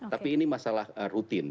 tapi ini masalah rutin